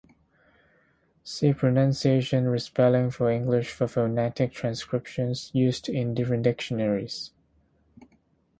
See Pronunciation respelling for English for phonetic transcriptions used in different dictionaries.